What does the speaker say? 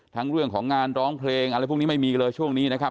เรื่องของงานร้องเพลงอะไรพวกนี้ไม่มีเลยช่วงนี้นะครับ